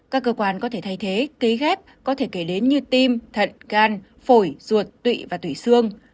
các cơ quan có thể thay thế ký ghép có thể kể đến như tim thận gan phổi ruột tụy và tủy xương